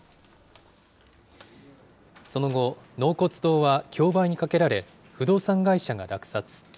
その後、納骨堂は競売にかけられ、不動産会社が落札。